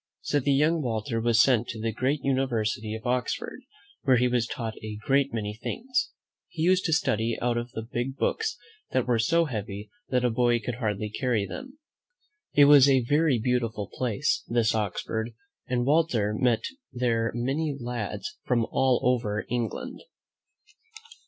So the young Walter was sent to the great University of Oxford, where he was taught a great many things. He used to study out of big books, that were so heavy that a boy could hardly carry them. It was a very beautiful place, this Oxford, and Walter met there many lads from all over Eng land.